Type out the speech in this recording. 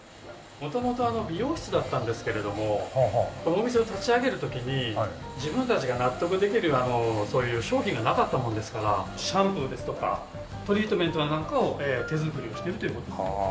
元々美容室だったんですけれどもこのお店を立ち上げる時に自分たちが納得できる商品がなかったものですからシャンプーですとかトリートメントなんかを手作りしているという事です。